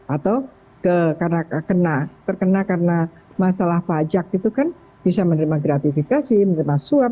atau terkena karena masalah pajak itu kan bisa menerima gratifikasi menerima suap